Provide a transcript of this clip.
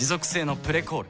「プレコール」